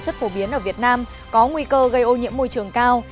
rất phổ biến ở việt nam có nguy cơ gây ô nhiễm môi trường cao